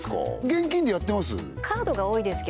現金でやってます？